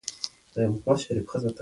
زه د پخوانیو ښارونو نقشې ګورم.